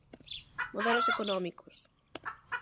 Modelos económicos.